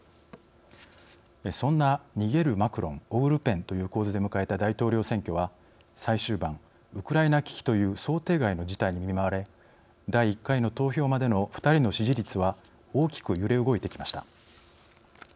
そんな「逃げるマクロン追うルペン」という構図で迎えた大統領選挙は最終盤、ウクライナ危機という想定外の事態に見舞われ第１回の投票までの２人の支持率は大きく揺れ動いてきました。